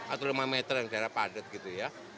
atau lima meter yang jarak padat gitu ya